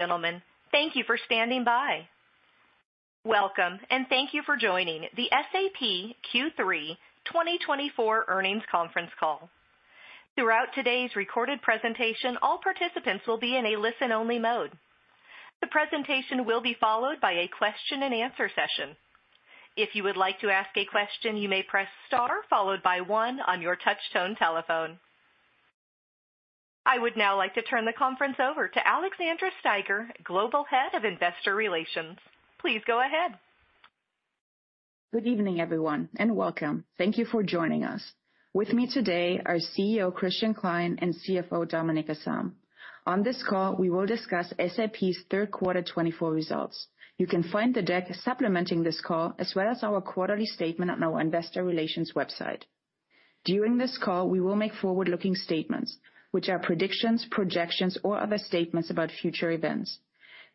Gentlemen, thank you for standing by. Welcome, and thank you for joining the SAP Q3 2024 Earnings Conference Call. Throughout today's recorded presentation, all participants will be in a listen-only mode. The presentation will be followed by a question-and-answer session. If you would like to ask a question, you may press star followed by one on your touchtone telephone. I would now like to turn the conference over to Alexandra Steiger, Global Head of Investor Relations. Please go ahead. Good evening, everyone, and welcome. Thank you for joining us. With me today are CEO Christian Klein and CFO Dominik Asam. On this call, we will discuss SAP's third quarter '24 results. You can find the deck supplementing this call, as well as our quarterly statement on our investor relations website. During this call, we will make forward-looking statements, which are predictions, projections, or other statements about future events.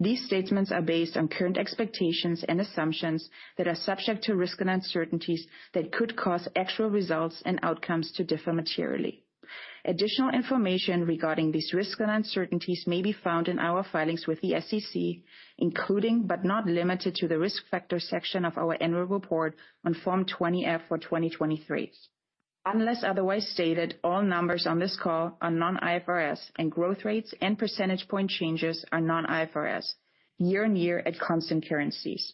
These statements are based on current expectations and assumptions that are subject to risks and uncertainties that could cause actual results and outcomes to differ materially. Additional information regarding these risks and uncertainties may be found in our filings with the SEC, including, but not limited to, the Risk Factors section of our annual report on Form 20-F for 2023. Unless otherwise stated, all numbers on this call are non-IFRS, and growth rates and percentage point changes are non-IFRS, YoY at constant currencies.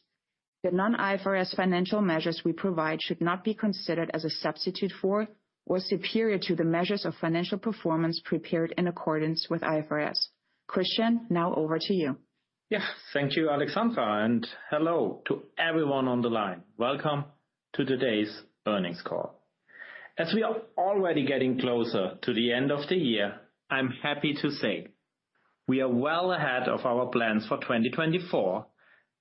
The non-IFRS financial measures we provide should not be considered as a substitute for or superior to the measures of financial performance prepared in accordance with IFRS. Christian, now over to you. Yes, thank you, Alexandra, and hello to everyone on the line. Welcome to today's earnings call. As we are already getting closer to the end of the year, I'm happy to say we are well ahead of our plans for 2024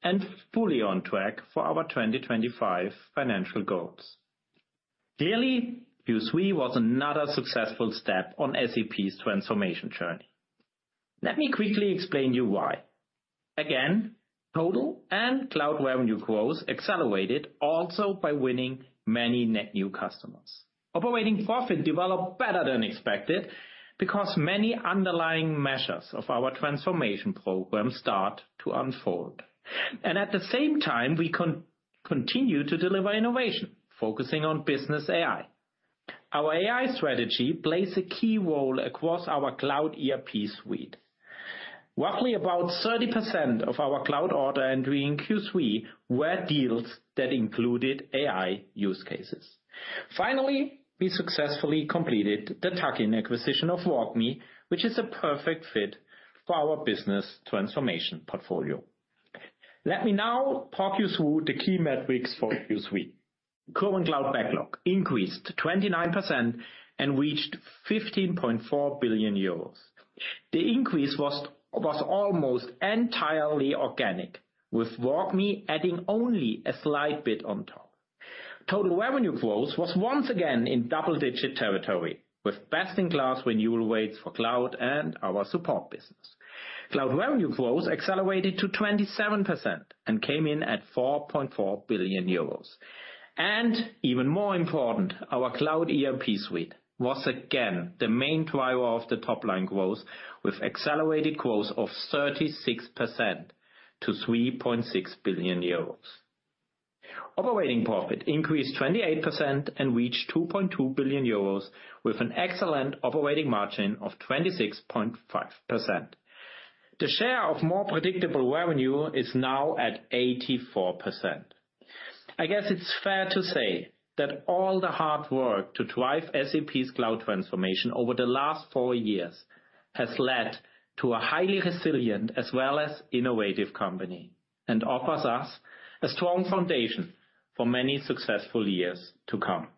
and fully on track for our 2025 financial goals. Clearly, Q3 was another successful step on SAP's transformation journey. Let me quickly explain to you why. Again, total and cloud revenue growth accelerated also by winning many net new customers. Operating profit developed better than expected because many underlying measures of our transformation program start to unfold. And at the same time, we continue to deliver innovation, focusing on Business AI. Our AI strategy plays a key role across our Cloud ERP Suite. Roughly about 30% of our cloud order entry in Q3 were deals that included AI use cases. Finally, we successfully completed the tuck-in acquisition of WalkMe, which is a perfect fit for our business transformation portfolio. Let me now talk you through the key metrics for Q3. Current Cloud Backlog increased 29% and reached 15.4 billion euros. The increase was almost entirely organic, with WalkMe adding only a slight bit on top. Total revenue growth was once again in double-digit territory, with best-in-class renewal rates for cloud and our support business. Cloud revenue growth accelerated to 27% and came in at 4.4 billion euros. And even more important, our Cloud ERP Suite was again the main driver of the top-line growth, with accelerated growth of 36% to 3.6 billion euros. Operating profit increased 28% and reached 2.2 billion euros, with an excellent operating margin of 26.5%. The share of more predictable revenue is now at 84%. I guess it's fair to say that all the hard work to drive SAP's cloud transformation over the last four years has led to a highly resilient as well as innovative company, and offers us a strong foundation for many successful years to come.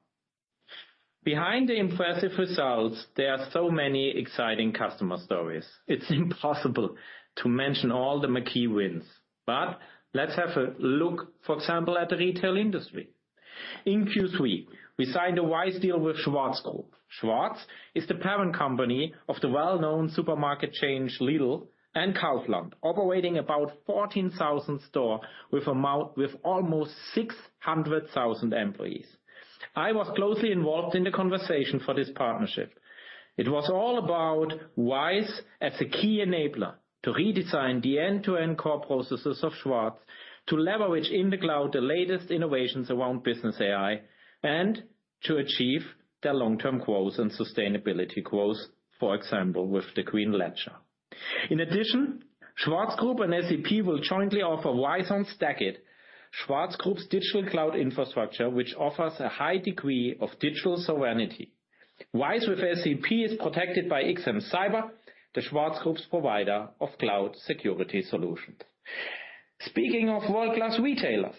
Behind the impressive results, there are so many exciting customer stories. It's impossible to mention all the key wins, but let's have a look, for example, at the retail industry. In Q3, we signed a RISE deal with Schwarz Group. Schwarz is the parent company of the well-known supermarket chains Lidl and Kaufland, operating about 14,000 stores with almost 600,000 employees. I was closely involved in the conversation for this partnership. It was all about RISE with SAP as a key enabler to redesign the end-to-end core processes of Schwarz, to leverage in the cloud the latest innovations around Business AI, and to achieve their long-term growth and sustainability goals, for example, with the Green Ledger. In addition, Schwarz Group and SAP will jointly offer RISE with SAP on STACKIT, Schwarz Group's digital cloud infrastructure, which offers a high degree of digital sovereignty. RISE with SAP is protected by XM Cyber, the Schwarz Group's provider of cloud security solutions. Speaking of world-class retailers,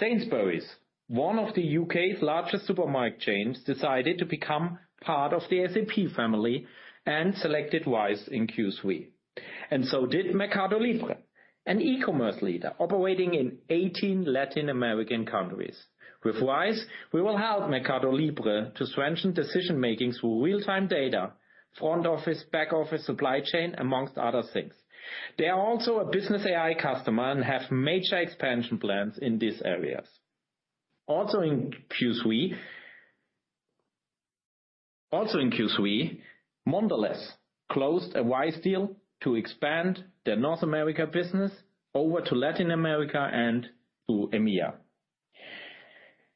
Sainsbury's, one of the U.K.'s largest supermarket chains, decided to become part of the SAP family and selected RISE with SAP in Q3. And so did Mercado Libre, an e-commerce leader operating in 18 Latin American countries. With RISE with SAP, we will help Mercado Libre to strengthen decision-making through real-time data, front office, back office, supply chain, among other things. They are also a Business AI customer and have major expansion plans in these areas. Also in Q3, Mondelēz closed a RISE deal to expand their North America business over to Latin America and to EMEA.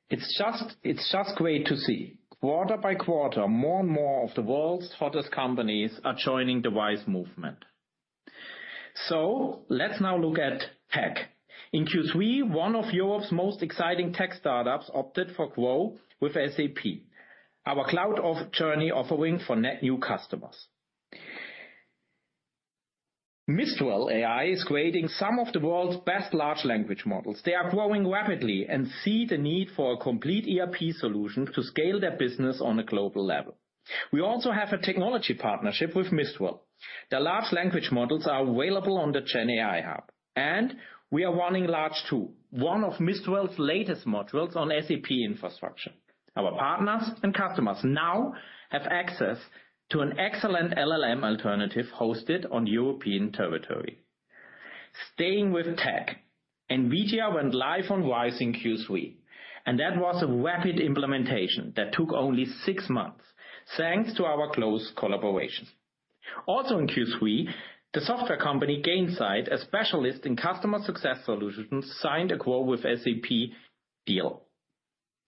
It's just, it's just great to see. Quarter by quarter, more and more of the world's hottest companies are joining the RISE movement. So let's now look at tech. In Q3, one of Europe's most exciting tech startups opted for GROW with SAP, our cloud ERP journey offering for net new customers. Mistral AI is creating some of the world's best large language models. They are growing rapidly and see the need for a complete ERP solution to scale their business on a global level. We also have a technology partnership with Mistral. Their large language models are available on the GenAI Hub, and we are running Large 2. One of Mistral's latest models on SAP infrastructure. Our partners and customers now have access to an excellent LLM alternative hosted on European territory. Staying with tech, NVIDIA went live on RISE in Q3, and that was a rapid implementation that took only six months, thanks to our close collaboration. Also in Q3, the software company, Gainsight, a specialist in customer success solutions, signed a GROW with SAP deal.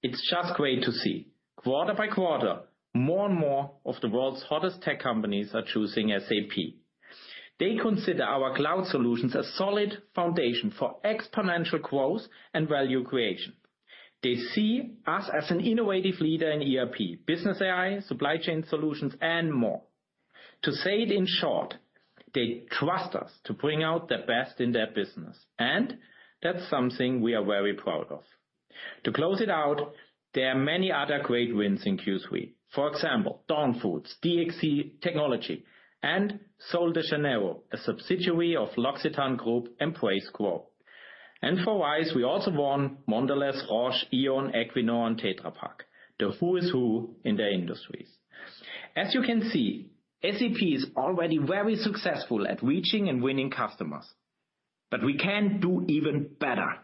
It's just great to see, quarter by quarter, more and more of the world's hottest tech companies are choosing SAP. They consider our cloud solutions a solid foundation for exponential growth and value creation. They see us as an innovative leader in ERP, Business AI, supply chain solutions, and more. To say it in short, they trust us to bring out the best in their business, and that's something we are very proud of. To close it out, there are many other great wins in Q3. For example, Dawn Foods, DXC Technology, and Sol de Janeiro, a subsidiary of L'Occitane Group, embrace growth. And for RISE, we also won Mondelēz, Roche, E.ON, Equinor, and Tetra Pak, the who's who in their industries. As you can see, SAP is already very successful at reaching and winning customers, but we can do even better.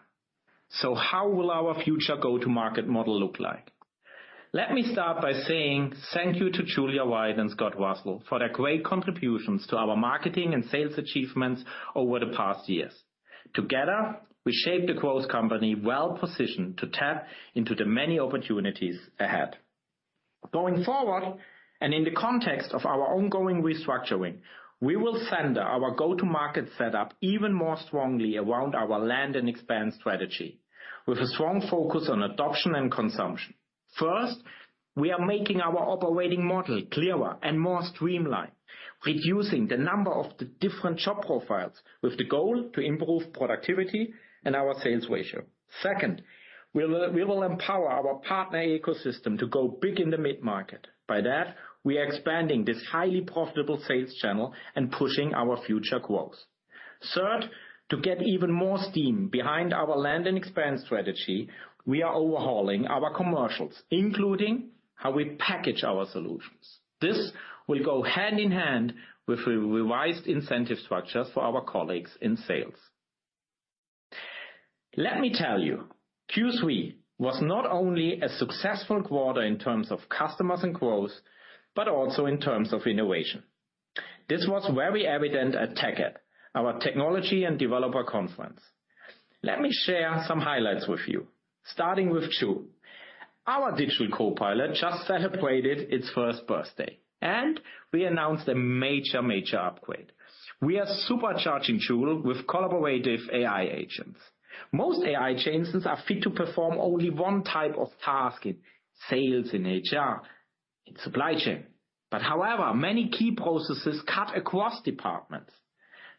So how will our future go-to-market model look like? Let me start by saying thank you to Julia White and Scott Russell for their great contributions to our marketing and sales achievements over the past years. Together, we shaped a growth company well-positioned to tap into the many opportunities ahead. Going forward, and in the context of our ongoing restructuring, we will center our go-to-market setup even more strongly around our land and expand strategy, with a strong focus on adoption and consumption. First, we are making our operating model clearer and more streamlined, reducing the number of the different job profiles with the goal to improve productivity and our sales ratio. Second, we will empower our partner ecosystem to go big in the mid-market. By that, we are expanding this highly profitable sales channel and pushing our future growth. Third, to get even more steam behind our land and expand strategy, we are overhauling our commercials, including how we package our solutions. This will go hand in hand with the revised incentive structures for our colleagues in sales. Let me tell you, Q3 was not only a successful quarter in terms of customers and growth, but also in terms of innovation. This was very evident at TechEd, our technology and developer conference. Let me share some highlights with you, starting with Joule. Our digital copilot just celebrated its first birthday, and we announced a major, major upgrade. We are supercharging Joule with collaborative AI agents. Most AI agents are fit to perform only one type of task in sales, in HR, in supply chain, but however, many key processes cut across departments.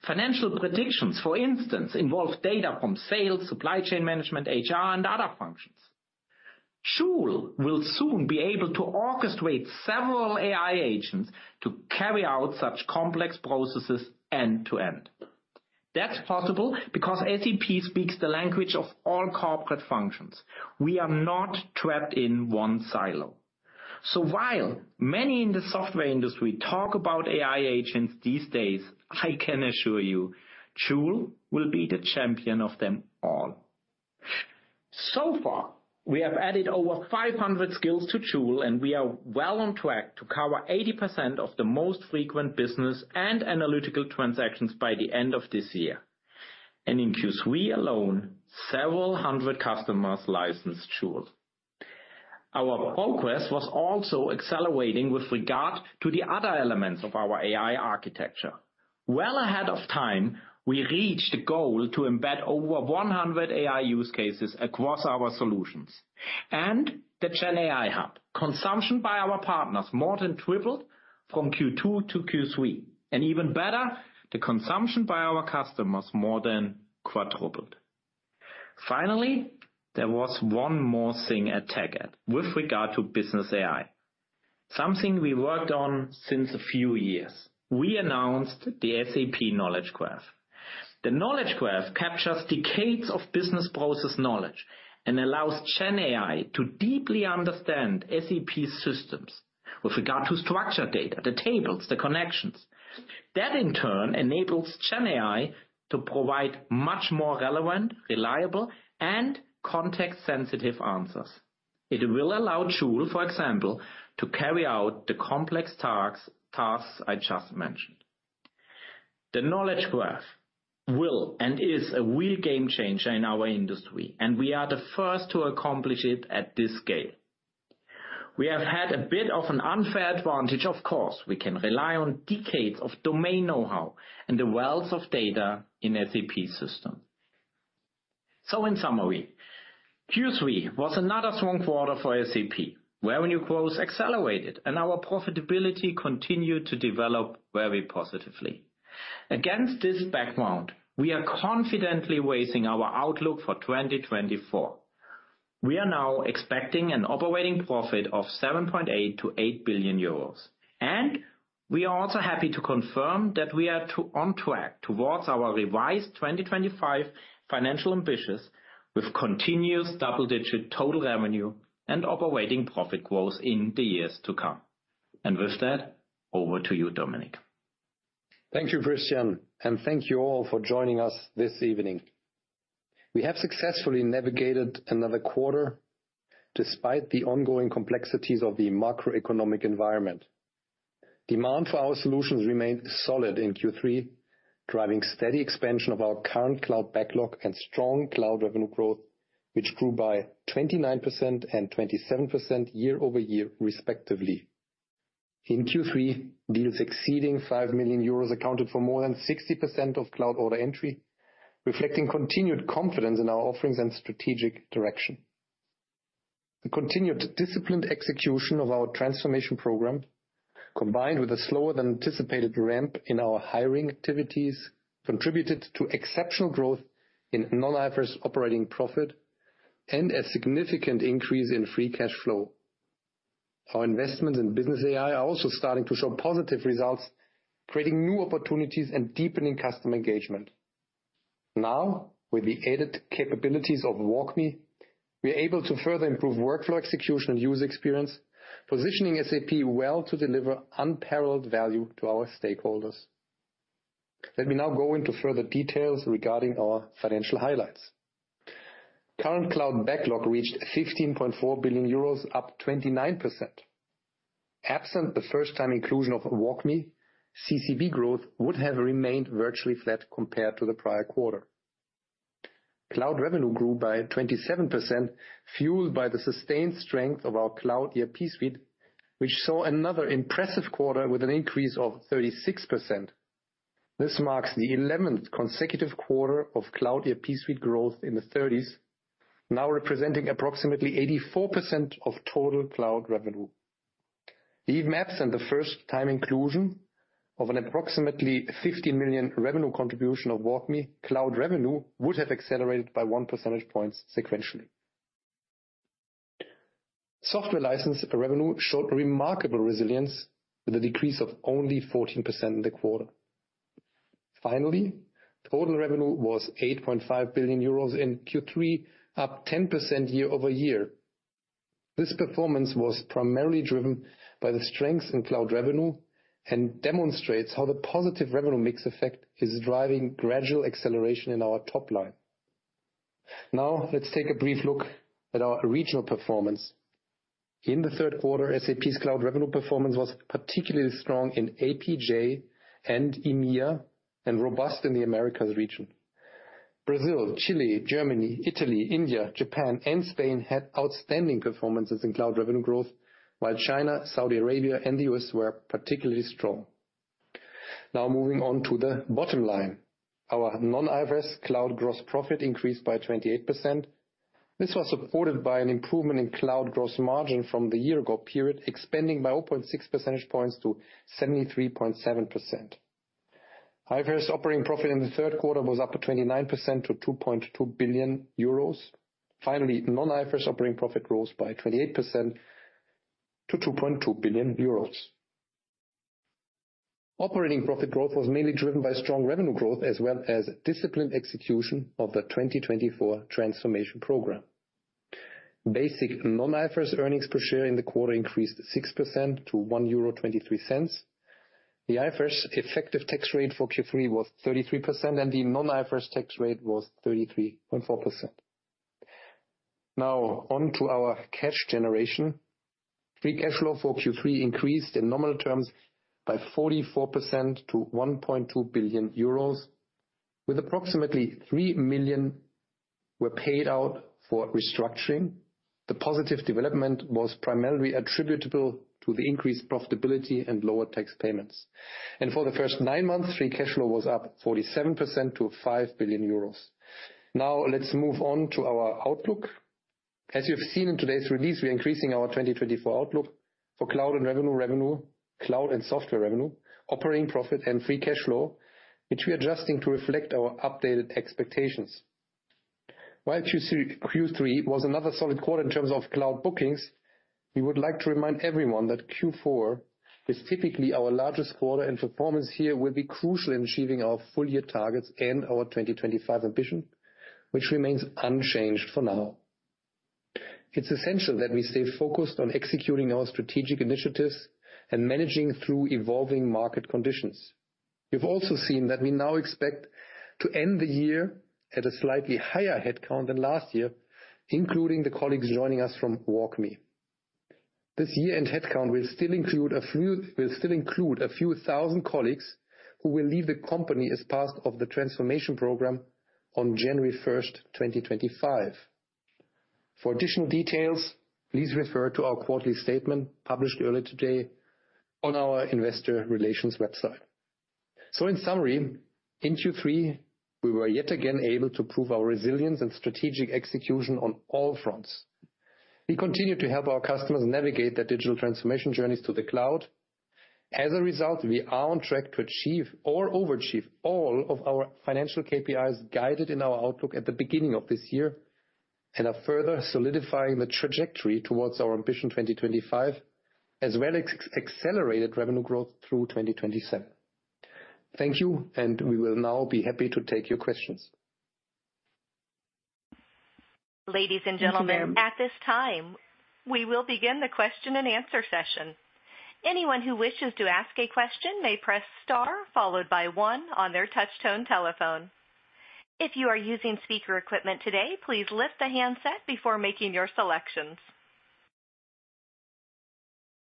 Financial predictions, for instance, involve data from sales, supply chain management, HR, and other functions. Joule will soon be able to orchestrate several AI agents to carry out such complex processes end to end. That's possible because SAP speaks the language of all corporate functions. We are not trapped in one silo. So while many in the software industry talk about AI agents these days, I can assure you, Joule will be the champion of them all. So far, we have added over 500 skills to Joule, and we are well on track to cover 80% of the most frequent business and analytical transactions by the end of this year. And in Q3 alone, several hundred customers licensed Joule. Our progress was also accelerating with regard to the other elements of our AI architecture. Well ahead of time, we reached the goal to embed over 100 AI use cases across our solutions. And the GenAI Hub, consumption by our partners more than tripled from Q2 to Q3. And even better, the consumption by our customers more than quadrupled. Finally, there was one more thing at TechEd with regard to Business AI, something we worked on since a few years. We announced the SAP Knowledge Graph. The Knowledge Graph captures decades of business process knowledge and allows GenAI to deeply understand SAP systems with regard to structured data, the tables, the connections. That, in turn, enables GenAI to provide much more relevant, reliable, and context-sensitive answers. It will allow Joule, for example, to carry out the complex tasks, tasks I just mentioned. The Knowledge Graph will and is a real game changer in our industry, and we are the first to accomplish it at this scale. We have had a bit of an unfair advantage, of course. We can rely on decades of domain know-how and the wealth of data in SAP system. So in summary, Q3 was another strong quarter for SAP. Revenue growth accelerated, and our profitability continued to develop very positively. Against this background, we are confidently raising our outlook for 2024. We are now expecting an operating profit of 7.8-8 billion euros, and we are also happy to confirm that we are on track towards our revised 2025 financial ambitions, with continuous double-digit total revenue and operating profit growth in the years to come. With that, over to you, Dominik. Thank you, Christian, and thank you all for joining us this evening. We have successfully navigated another quarter despite the ongoing complexities of the macroeconomic environment. Demand for our solutions remained solid in Q3, driving steady expansion of our Current Cloud Backlog and strong cloud revenue growth, which grew by 29% and 27% year over year, respectively. In Q3, deals exceeding 5 million euros accounted for more than 60% of cloud order entry, reflecting continued confidence in our offerings and strategic direction. The continued disciplined execution of our transformation program, combined with a slower than anticipated ramp in our hiring activities, contributed to exceptional growth in non-IFRS operating profit and a significant increase in free cash flow. Our investments in Business AI are also starting to show positive results, creating new opportunities and deepening customer engagement. Now, with the added capabilities of WalkMe, we are able to further improve workflow execution and user experience, positioning SAP well to deliver unparalleled value to our stakeholders. Let me now go into further details regarding our financial highlights. Current Cloud Backlog reached 15.4 billion euros, up 29%. Absent the first time inclusion of WalkMe, CCB growth would have remained virtually flat compared to the prior quarter. Cloud revenue grew by 27%, fueled by the sustained strength of our Cloud ERP Suite, which saw another impressive quarter with an increase of 36%. This marks the eleventh consecutive quarter of Cloud ERP Suite growth in the 30s, now representing approximately 84% of total cloud revenue. These metrics, absent the first time inclusion of an approximately 50 million revenue contribution of WalkMe cloud revenue, would have accelerated by one percentage point sequentially. Software license revenue showed remarkable resilience, with a decrease of only 14% in the quarter. Finally, total revenue was 8.5 billion euros in Q3, up 10% year over year. This performance was primarily driven by the strength in cloud revenue and demonstrates how the positive revenue mix effect is driving gradual acceleration in our top line. Now, let's take a brief look at our regional performance. In the third quarter, SAP's cloud revenue performance was particularly strong in APJ and EMEA, and robust in the Americas region. Brazil, Chile, Germany, Italy, India, Japan, and Spain had outstanding performances in cloud revenue growth, while China, Saudi Arabia, and the U.S. were particularly strong. Now moving on to the bottom line. Our non-IFRS cloud gross profit increased by 28%. This was supported by an improvement in cloud gross margin from the year ago period, expanding by 0.6 percentage points to 73.7%. IFRS operating profit in the third quarter was up to 29% to 2.2 billion euros. Finally, non-IFRS operating profit rose by 28% to 2.2 billion euros. Operating profit growth was mainly driven by strong revenue growth, as well as disciplined execution of the 2024 transformation program. Basic non-IFRS earnings per share in the quarter increased 6% to 1.23 euro. The IFRS effective tax rate for Q3 was 33%, and the non-IFRS tax rate was 33.4%. Now, on to our cash generation. Free cash flow for Q3 increased in nominal terms by 44% to 1.2 billion euros, with approximately 3 million were paid out for restructuring. The positive development was primarily attributable to the increased profitability and lower tax payments. For the first nine months, free cash flow was up 47% to 5 billion euros. Now, let's move on to our outlook. As you've seen in today's release, we're increasing our 2024 outlook for cloud and revenue- revenue, cloud and software revenue, operating profit and free cash flow, which we are adjusting to reflect our updated expectations. While Q3, Q3 was another solid quarter in terms of cloud bookings, we would like to remind everyone that Q4 is typically our largest quarter, and performance here will be crucial in achieving our full year targets and our 2025 ambition, which remains unchanged for now. It's essential that we stay focused on executing our strategic initiatives and managing through evolving market conditions. We've also seen that we now expect to end the year at a slightly higher headcount than last year, including the colleagues joining us from WalkMe. This year-end headcount will still include a few thousand colleagues who will leave the company as part of the transformation program on January 1st, 2025. For additional details, please refer to our quarterly statement published earlier today on our investor relations website. So in summary, in Q3, we were yet again able to prove our resilience and strategic execution on all fronts. We continue to help our customers navigate their digital transformation journeys to the cloud. As a result, we are on track to achieve or overachieve all of our financial KPIs, guided in our outlook at the beginning of this year, and are further solidifying the trajectory towards our ambition 2025, as well as accelerated revenue growth through 2027. Thank you, and we will now be happy to take your questions. Ladies and gentlemen, at this time, we will begin the question and answer session. Anyone who wishes to ask a question may press star, followed by one on their touchtone telephone. If you are using speaker equipment today, please lift the handset before making your selections.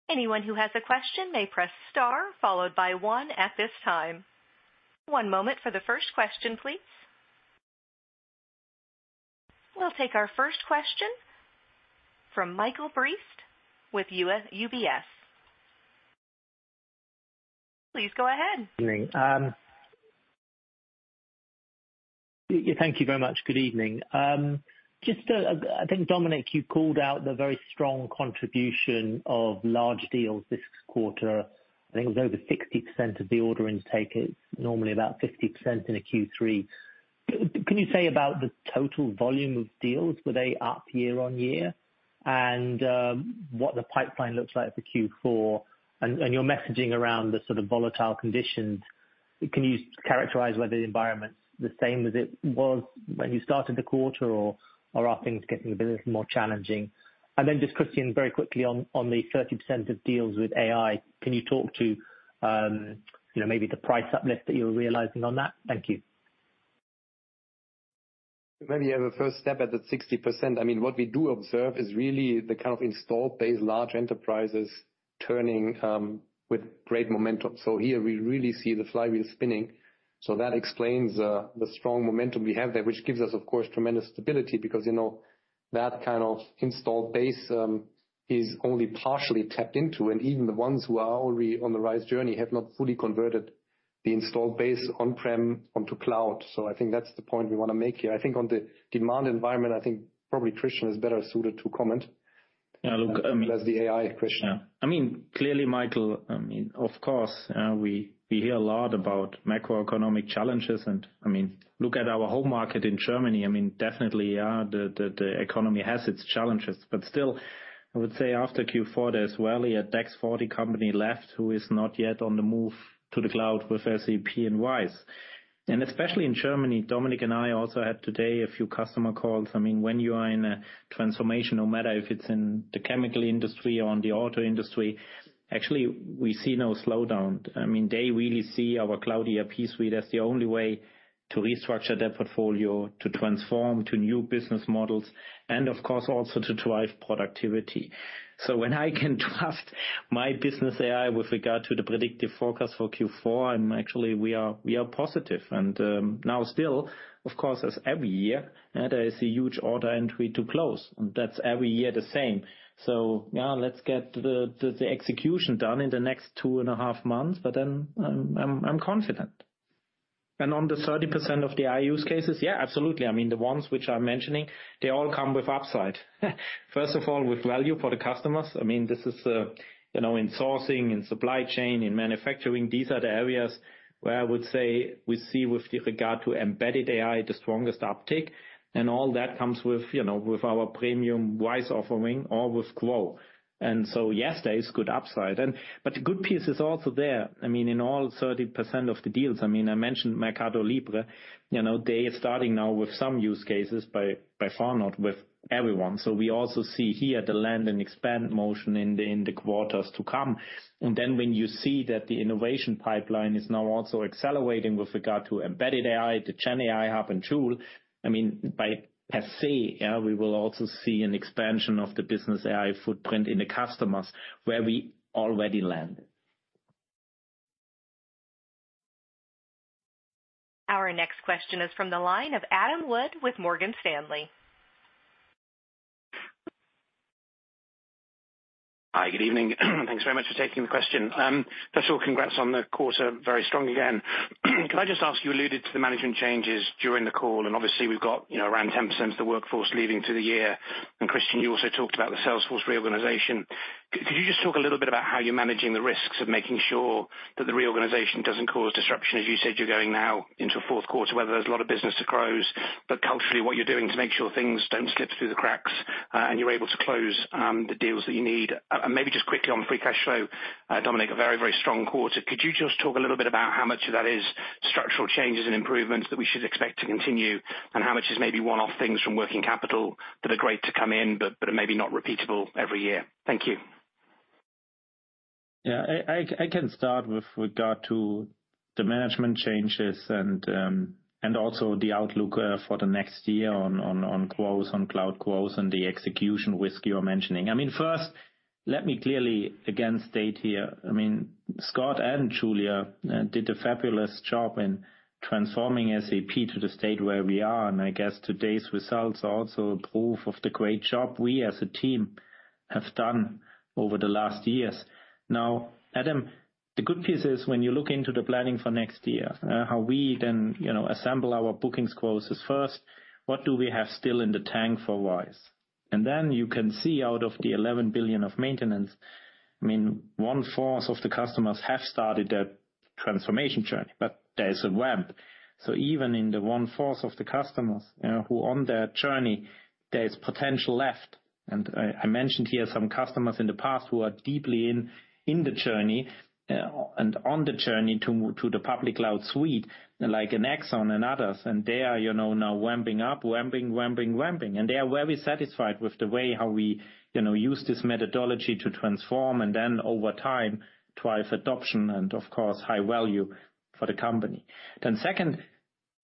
Anyone who has a question may press star, followed by one at this time. One moment for the first question, please. We'll take our first question from Michael Briest with UBS. Please go ahead. Thank you very much. Good evening. Just, I think, Dominik, you called out the very strong contribution of large deals this quarter. I think it was over 60% of the order intake. It's normally about 50% in a Q3. Can you say about the total volume of deals, were they up year on year? And, what the pipeline looks like for Q4, and your messaging around the sort of volatile conditions, can you characterize whether the environment's the same as it was when you started the quarter, or are things getting a little more challenging? And then just, Christian, very quickly on the 30% of deals with AI, can you talk to, you know, maybe the price uplift that you're realizing on that? Thank you. Maybe you have a first step at the 60%. I mean, what we do observe is really the kind of installed base, large enterprises turning, with great momentum. So here we really see the flywheel spinning. So that explains, the strong momentum we have there, which gives us, of course, tremendous stability, because, you know, that kind of installed base, is only partially tapped into, and even the ones who are already on the RISE journey have not fully converted the installed base on-prem onto cloud. So I think that's the point we want to make here. I think on the demand environment, I think probably Christian is better suited to comment. Yeah, look, I mean- That's the AI question. Yeah. I mean, clearly, Michael, I mean, of course, we hear a lot about macroeconomic challenges. And, I mean, look at our home market in Germany. I mean, definitely, the economy has its challenges, but still, I would say after Q4 there's rarely a DAX 40 company left who is not yet on the move to the cloud with SAP and RISE. And especially in Germany, Dominic and I also had today a few customer calls. I mean, when you are in a transformation, no matter if it's in the chemical industry or in the auto industry, actually, we see no slowdown. I mean, they really see our Cloud ERP Suite as the only way to restructure their portfolio, to transform to new business models, and of course, also to drive productivity. So when I can trust my Business AI with regard to the predictive forecast for Q4, I'm actually. We are positive. And now still, of course, as every year, there is a huge order entry to close, and that's every year the same. So yeah, let's get the execution done in the next two and a half months, but then I'm confident. And on the 30% of the AI use cases, yeah, absolutely. I mean, the ones which I'm mentioning, they all come with upside. First of all, with value for the customers. I mean, this is, you know, in sourcing and supply chain, in manufacturing. These are the areas where I would say we see with regard to embedded AI, the strongest uptick, and all that comes with, you know, with our premium RISE offering or with GROW. Yes, there is good upside. But the good piece is also there, I mean, in all 30% of the deals. I mean, I mentioned Mercado Libre. You know, they are starting now with some use cases, by far not with everyone. We also see here the land and expand motion in the quarters to come. When you see that the innovation pipeline is now also accelerating with regard to embedded AI, the GenAI hub and tool, I mean, per se, yeah, we will also see an expansion of the Business AI footprint in the customers where we already landed. Our next question is from the line of Adam Wood with Morgan Stanley. Hi, good evening. Thanks very much for taking the question. First of all, congrats on the quarter. Very strong again. Can I just ask, you alluded to the management changes during the call, and obviously we've got, you know, around 10% of the workforce leaving to the year. And Christian, you also talked about the sales force reorganization. Could you just talk a little bit about how you're managing the risks of making sure that the reorganization doesn't cause disruption? As you said, you're going now into a fourth quarter where there's a lot of business to close. But culturally, what you're doing to make sure things don't slip through the cracks, and you're able to close the deals that you need. And maybe just quickly on free cash flow, Dominik, a very, very strong quarter. Could you just talk a little bit about how much of that is structural changes and improvements that we should expect to continue, and how much is maybe one-off things from working capital that are great to come in, but are maybe not repeatable every year? Thank you.... Yeah, I can start with regard to the management changes and also the outlook for the next year on growth, on cloud growth and the execution risk you are mentioning. I mean, first, let me clearly again state here, I mean, Scott and Julia did a fabulous job in transforming SAP to the state where we are, and I guess today's results are also proof of the great job we as a team have done over the last years. Now, Adam, the good piece is when you look into the planning for next year, how we then, you know, assemble our bookings growth is first, what do we have still in the tank for RISE? And then you can see out of the 11 billion of maintenance, I mean, one-fourth of the customers have started their transformation journey, but there is a ramp. So even in the one-fourth of the customers who are on their journey, there is potential left. And I mentioned here some customers in the past who are deeply in the journey, and on the journey to the public cloud suite, like an Exxon and others, and they are, you know, now ramping up, ramping, ramping, ramping. And they are very satisfied with the way how we, you know, use this methodology to transform, and then over time, drive adoption and, of course, high value for the company. Then second,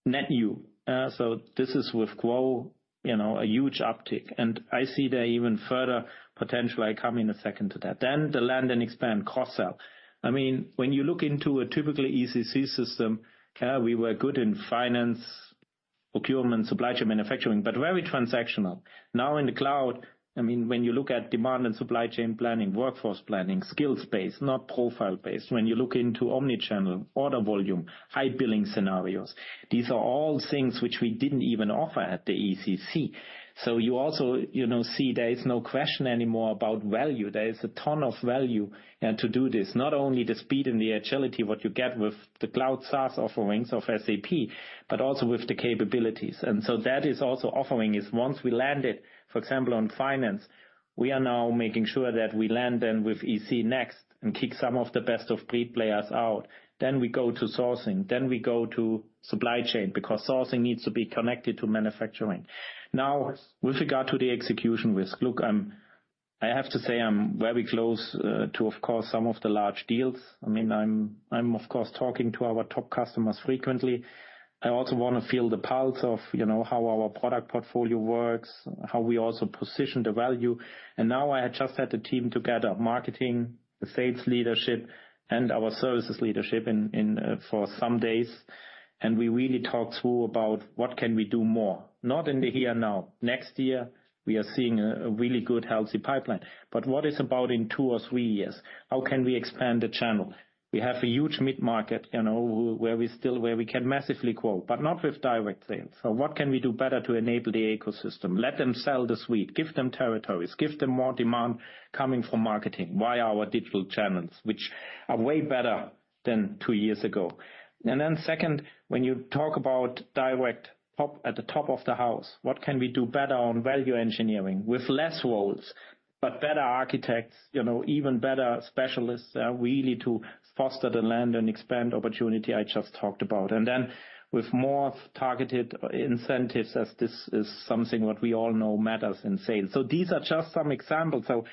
net new. So this is with grow, you know, a huge uptick, and I see there even further potential. I come in a second to that. Then the land and expand cross-sell. I mean, when you look into a typical ECC system, yeah, we were good in finance, procurement, supply chain, manufacturing, but very transactional. Now, in the cloud, I mean, when you look at demand and supply chain planning, workforce planning, skills-based, not profile-based. When you look into omni-channel, order volume, high billing scenarios, these are all things which we didn't even offer at the ECC. So you also, you know, see there is no question anymore about value. There is a ton of value, and to do this, not only the speed and the agility, what you get with the cloud SaaS offerings of SAP, but also with the capabilities. And so that is also offering is once we land it, for example, on finance. We are now making sure that we land then with ECC next and kick some of the best of breed players out. Then we go to sourcing, then we go to supply chain, because sourcing needs to be connected to manufacturing. Now, with regard to the execution risk, look, I have to say I'm very close to, of course, some of the large deals. I mean, I'm of course talking to our top customers frequently. I also want to feel the pulse of, you know, how our product portfolio works, how we also position the value. And now I just had the team together, marketing, the sales leadership, and our services leadership in for some days, and we really talked through about what can we do more? Not in the here now. Next year, we are seeing a really good, healthy pipeline. But what is about in two or three years? How can we expand the channel? We have a huge mid-market, you know, where we can massively grow, but not with direct sales. So what can we do better to enable the ecosystem? Let them sell the suite, give them territories, give them more demand coming from marketing via our digital channels, which are way better than two years ago. And then second, when you talk about direct top, at the top of the house, what can we do better on value engineering with less roles, but better architects, you know, even better specialists, really to foster the land and expand opportunity I just talked about? Then with more targeted incentives, as this is something what we all know matters in sales. So these are just some examples. So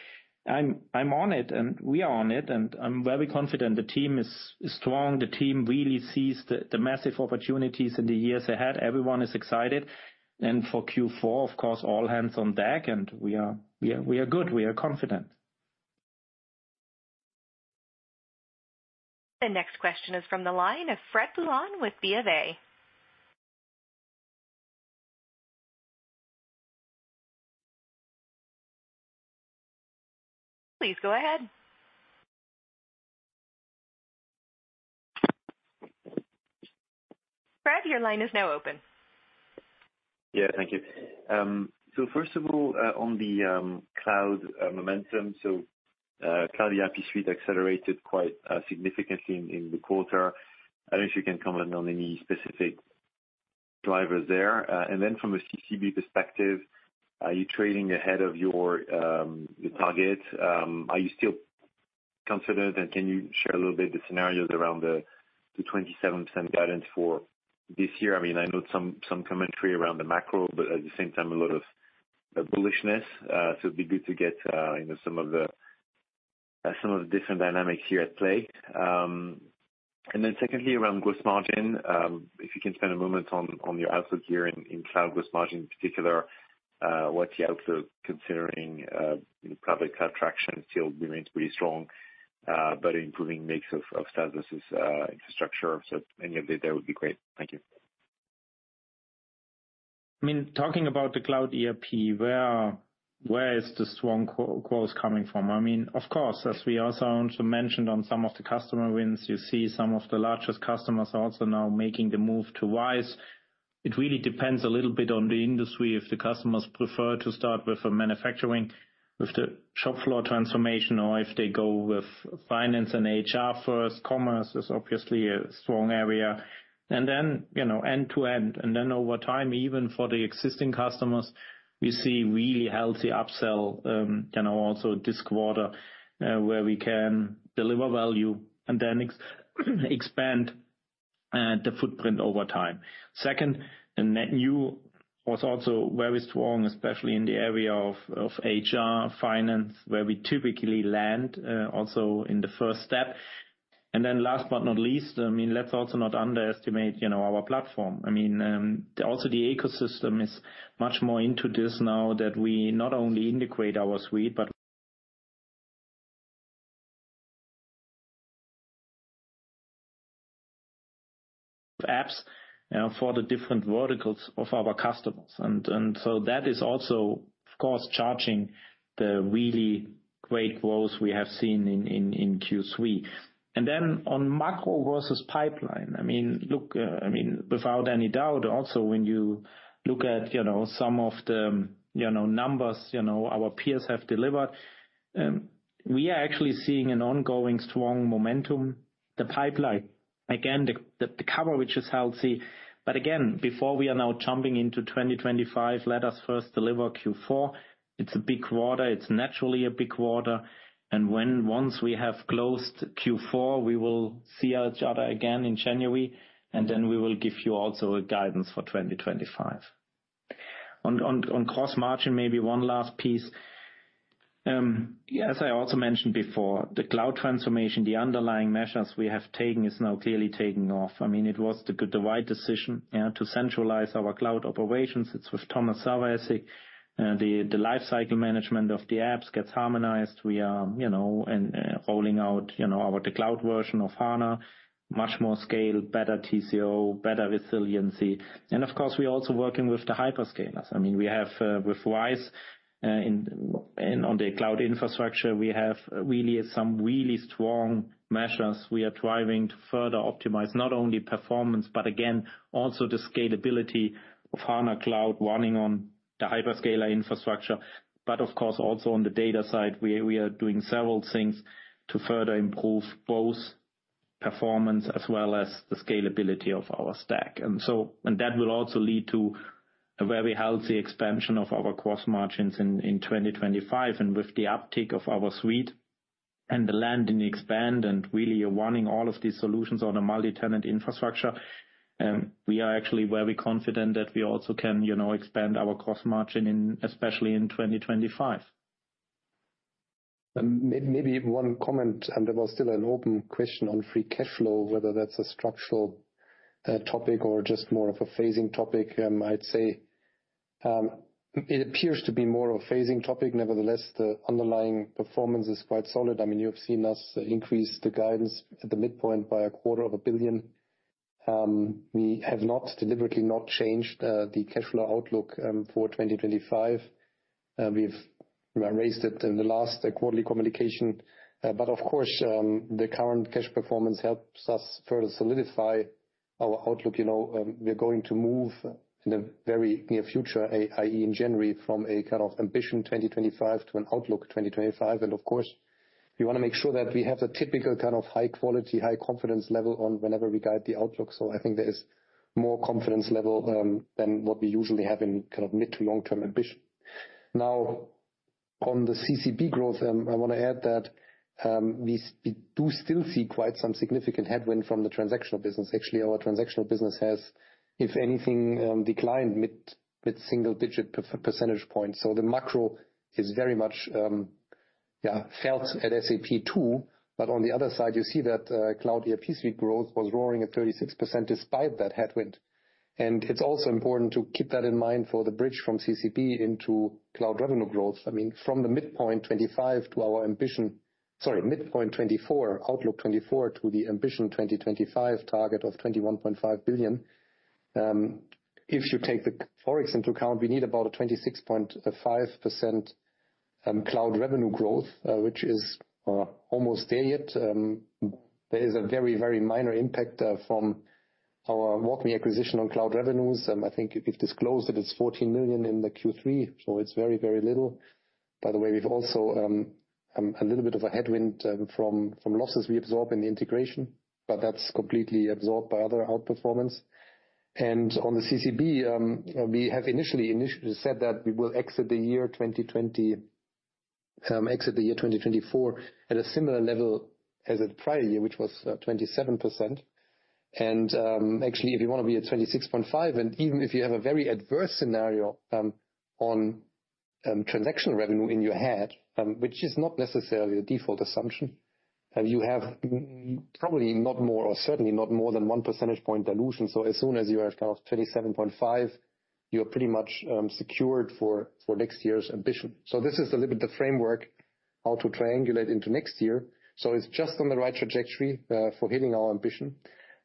I'm on it, and we are on it, and I'm very confident the team is strong. The team really sees the massive opportunities in the years ahead. Everyone is excited. For Q4, of course, all hands on deck, and we are good, we are confident. The next question is from the line of Fred Boulan with BofA. Please go ahead. Fred, your line is now open. Yeah, thank you. So first of all, on the cloud momentum, so Cloud ERP Suite accelerated quite significantly in the quarter. I don't know if you can comment on any specific drivers there. And then from a CCB perspective, are you trading ahead of your target? Are you still confident, and can you share a little bit the scenarios around the 27% guidance for this year? I mean, I know some commentary around the macro, but at the same time, a lot of bullishness. So it'd be good to get you know, some of the different dynamics here at play. And then secondly, around gross margin, if you can spend a moment on your outlook here in cloud gross margin in particular, what's the outlook considering, you know, public cloud traction still remains pretty strong, but improving mix of statuses, infrastructure. So any update there would be great. Thank you. I mean, talking about the cloud ERP, where are, where is the strong growth coming from? I mean, of course, as we also mentioned on some of the customer wins, you see some of the largest customers are also now making the move to RISE. It really depends a little bit on the industry, if the customers prefer to start with a manufacturing, with the shop floor transformation, or if they go with finance and HR first. Commerce is obviously a strong area. And then, you know, end to end, and then over time, even for the existing customers, we see really healthy upsell, you know, also this quarter, where we can deliver value and then expand the footprint over time. Second, the net new was also very strong, especially in the area of HR, finance, where we typically land also in the first step. And then last but not least, I mean, let's also not underestimate, you know, our platform. I mean, also the ecosystem is much more into this now that we not only integrate our suite, but apps, you know, for the different verticals of our customers. And so that is also, of course, driving the really great growth we have seen in Q3. And then on macro versus pipeline, I mean, look, I mean, without any doubt, also when you look at, you know, some of the numbers, you know, our peers have delivered, we are actually seeing an ongoing strong momentum. The pipeline, again, the coverage, which is healthy, but again, before we are now jumping into 2025, let us first deliver Q4. It's a big quarter. It's naturally a big quarter, and when once we have closed Q4, we will see each other again in January, and then we will give you also a guidance for 2025. On, on, on gross margin, maybe one last piece. As I also mentioned before, the cloud transformation, the underlying measures we have taken is now clearly taking off. I mean, it was the right decision, you know, to centralize our cloud operations. It's with Thomas Saueressig, the lifecycle management of the apps gets harmonized. We are, you know, rolling out, you know, our, the cloud version of HANA, much more scale, better TCO, better resiliency. Of course, we're also working with the hyperscalers. I mean, we have with RISE with SAP in on the cloud infrastructure, we have really some strong measures. We are driving to further optimize not only performance, but again, also the scalability of HANA Cloud running on the hyperscaler infrastructure. But of course, also on the data side, we are doing several things to further improve both performance as well as the scalability of our stack. And that will also lead to a very healthy expansion of our gross margins in 2025. And with the uptick of our suite and the land and expand, and really running all of these solutions on a multitenant infrastructure, we are actually very confident that we also can expand our gross margin in, especially in 2025. And maybe one comment, and there was still an open question on free cash flow, whether that's a structural topic or just more of a phasing topic. I'd say it appears to be more of a phasing topic. Nevertheless, the underlying performance is quite solid. I mean, you have seen us increase the guidance at the midpoint by 250 million. We have not, deliberately not changed, the cash flow outlook for 2025. We've raised it in the last quarterly communication, but of course, the current cash performance helps us further solidify our outlook. You know, we're going to move in the very near future, i.e., in January, from a kind of ambition 2025 to an outlook 2025. Of course, we want to make sure that we have a typical kind of high quality, high confidence level on whenever we guide the outlook. I think there is more confidence level than what we usually have in kind of mid to long term ambition. Now, on the CCB growth, I want to add that we do still see quite some significant headwind from the transactional business. Actually, our transactional business has, if anything, declined mid single digit percentage point. The macro is very much felt at SAP, too. On the other side, you see that Cloud ERP Suite growth was growing at 36% despite that headwind. It's also important to keep that in mind for the bridge from CCB into cloud revenue growth. I mean, from the midpoint 2025 to our ambition—sorry, midpoint 2024, outlook 2024 to the ambition 2025 target of 21.5 billion, if you take the Forex into account, we need about a 26.5% cloud revenue growth, which is almost there yet. There is a very, very minor impact from our WalkMe acquisition on cloud revenues, and I think we've disclosed that it's 14 million in the Q3, so it's very, very little. By the way, we've also a little bit of a headwind from losses we absorb in the integration, but that's completely absorbed by other outperformance. On the CCB, we have initially said that we will exit the year 2024 at a similar level as the prior year, which was 27%. Actually, if you want to be at 26.5%, and even if you have a very adverse scenario on transactional revenue in your head, which is not necessarily a default assumption, you have probably not more or certainly not more than one percentage point dilution. So as soon as you are at kind of 27.5%, you're pretty much secured for next year's ambition. So this is a little bit the framework how to triangulate into next year. So it's just on the right trajectory for hitting our ambition.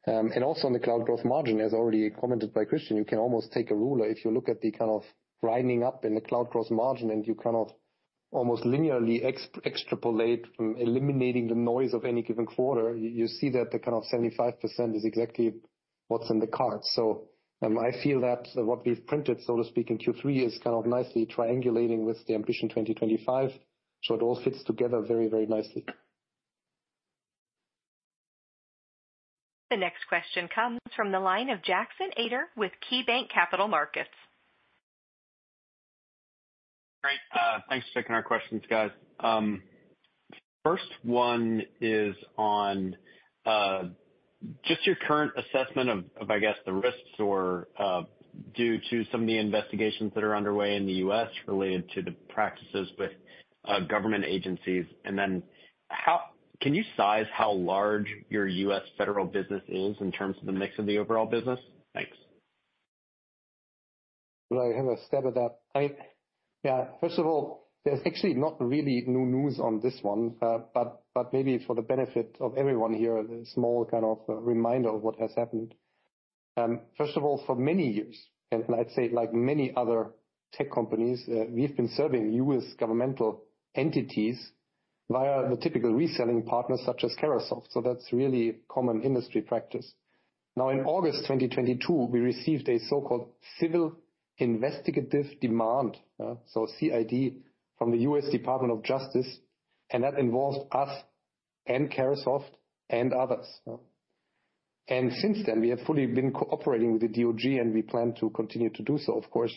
And also on the cloud gross margin, as already commented by Christian, you can almost take a ruler. If you look at the kind of grinding up in the cloud gross margin, and you kind of almost linearly extrapolate from eliminating the noise of any given quarter, you see that the kind of 75% is exactly what's in the card. So, I feel that what we've printed, so to speak, in Q3 is kind of nicely triangulating with the ambition 2025. So it all fits together very, very nicely. The next question comes from the line of Jackson Ader with KeyBanc Capital Markets.... Thanks for taking our questions, guys. First one is on just your current assessment of, I guess, the risks or due to some of the investigations that are underway in the U.S. related to the practices with government agencies. And then how can you size how large your U.S. federal business is in terms of the mix of the overall business? Thanks. I have a stab at that. Yeah, first of all, there's actually not really new news on this one, but maybe for the benefit of everyone here, a small kind of reminder of what has happened. First of all, for many years, and I'd say like many other tech companies, we've been serving U.S. governmental entities via the typical reselling partners such as Carahsoft. So that's really common industry practice. Now, in August 2022, we received a so-called civil investigative demand, so CID, from the U.S. Department of Justice, and that involved us and Carahsoft and others. Since then, we have fully been cooperating with the DOJ, and we plan to continue to do so, of course.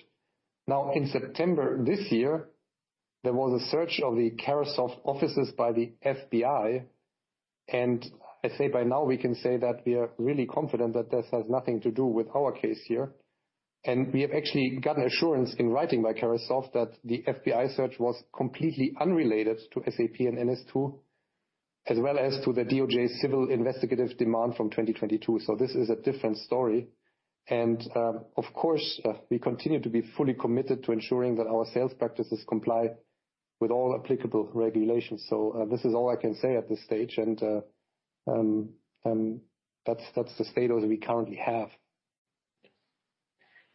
Now, in September this year, there was a search of the Carahsoft offices by the FBI, and I say by now we can say that we are really confident that this has nothing to do with our case here, and we have actually gotten assurance in writing by Carahsoft that the FBI search was completely unrelated to SAP and NS2, as well as to the DOJ's Civil Investigative Demand from 2022, so this is a different story, and, of course, we continue to be fully committed to ensuring that our sales practices comply with all applicable regulations, so this is all I can say at this stage, and, that's the status we currently have.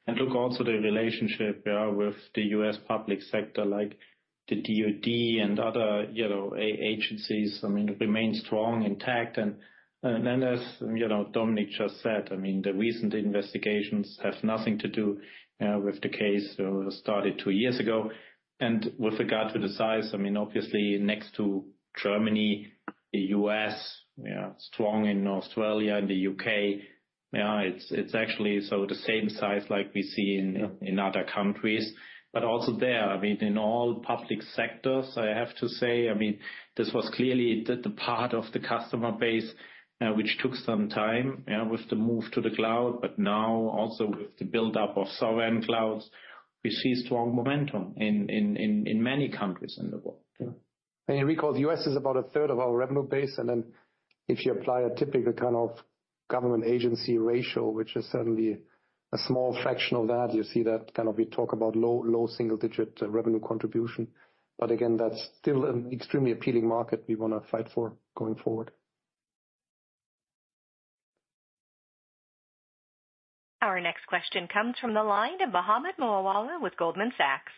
Look also at the relationship, yeah, with the U.S. public sector, like the DOD and other agencies. I mean, it remains strong, intact, and then, as you know, Dominik just said, I mean, the recent investigations have nothing to do with the case started two years ago. With regard to the size, I mean, obviously next to Germany, the U.S., yeah, strong in Australia and the U.K. Yeah, it's actually so the same size like we see in other countries. But also there, I mean, in all public sectors, I have to say, I mean, this was clearly the part of the customer base which took some time with the move to the cloud, but now also with the buildup of sovereign clouds, we see strong momentum in many countries in the world. You recall, the U.S. is about a third of our revenue base, and then if you apply a typical kind of government agency ratio, which is certainly a small fraction of that, you see that kind of we talk about low, low single digit revenue contribution. But again, that's still an extremely appealing market we want to fight for going forward. Our next question comes from the line of Mohammed Moawalla with Goldman Sachs.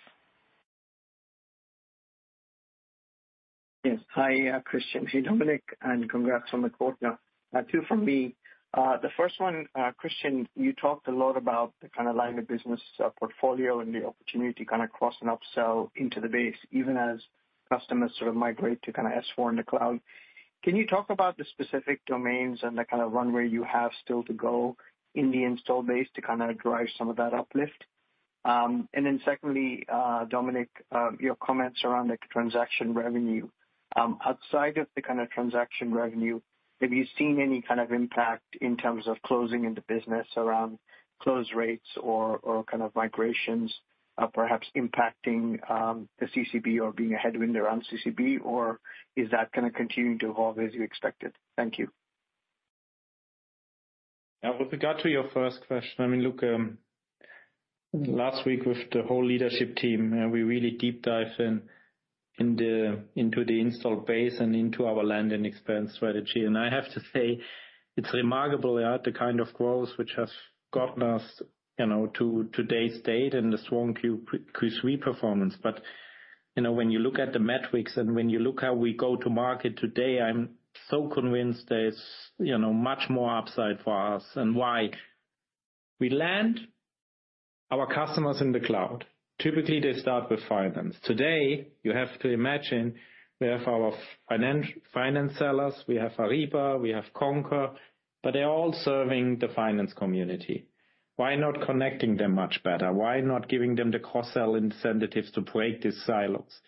Yes. Hi, Christian and Dominik, and congrats on the quarter. Two from me. The first one, Christian, you talked a lot about the kind of line of business portfolio and the opportunity to kind of cross an upsell into the base, even as customers sort of migrate to kind of S/4 in the cloud. Can you talk about the specific domains and the kind of runway you have still to go in the installed base to kind of drive some of that uplift? And then secondly, Dominik, your comments around the transaction revenue. Outside of the kind of transaction revenue, have you seen any kind of impact in terms of closing in the business around close rates or kind of migrations, perhaps impacting the CCB or being a headwind around CCB? Or is that going to continue to evolve as you expected? Thank you. Now, with regard to your first question, I mean, look, last week with the whole leadership team, and we really deep dive into the install base and into our land and expand strategy. And I have to say, it's remarkable, yeah, the kind of growth which has gotten us, you know, to today's date and the strong Q3 performance. But, you know, when you look at the metrics and when you look how we go to market today, I'm so convinced there's, you know, much more upside for us. And why? We land our customers in the cloud. Typically, they start with finance. Today, you have to imagine we have our finance sellers, we have Ariba, we have Concur, but they're all serving the finance community. Why not connecting them much better? Why not giving them the cross-sell incentives to break these silos?